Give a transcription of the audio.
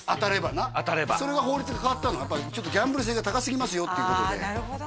当たればなそれが法律が変わったのやっぱりちょっとギャンブル性が高すぎます